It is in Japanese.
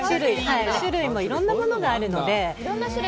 種類もいろんなものがあるので。